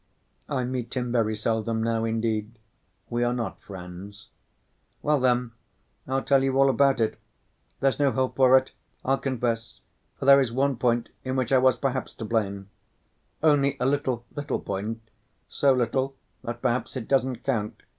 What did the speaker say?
I meet him very seldom now, indeed. We are not friends." "Well, then, I'll tell you all about it. There's no help for it, I'll confess, for there is one point in which I was perhaps to blame. Only a little, little point, so little that perhaps it doesn't count.